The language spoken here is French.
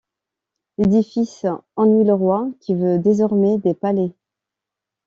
L'édifice ennuie le Roi qui veut désormais des palais.